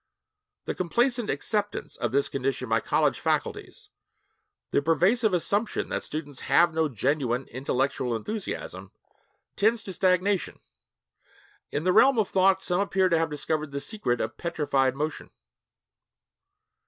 The complacent acceptance of this condition by college faculties the pervasive assumption that students have no genuine intellectual enthusiasm tends to stagnation. In the realm of thought some appear to have discovered the secret of petrified motion.